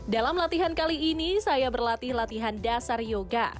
dalam latihan kali ini saya berlatih latihan dasar yoga